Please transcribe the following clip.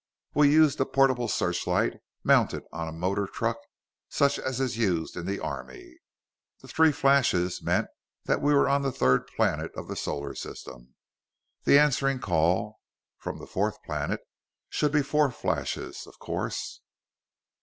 We used a portable searchlight, mounted on a motor truck, such as is used in the army. The three flashes meant that we were on the third planet of the solar system. The answering call, from the fourth planet, should be four flashes, of course.